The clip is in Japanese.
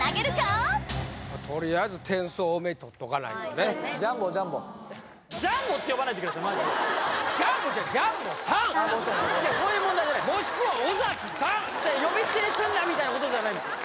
とりあえずマジで「ジャンボ」ちゃうそういう問題じゃない呼び捨てにすんなみたいなことじゃないんですよ